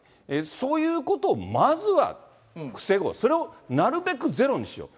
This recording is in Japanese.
そういうことをまずは防ごう、それをなるべくゼロにしよう。